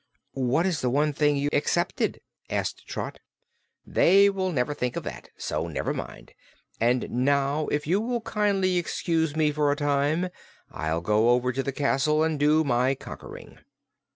"What is that one thing you excepted?" asked Trot. "They will never think of it, so never mind. And now, if you will kindly excuse me for a time, I'll go over to the castle and do my conquering."